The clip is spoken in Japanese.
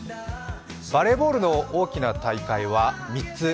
バレーボールの大きな大会は３つ。